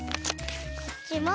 こっちも。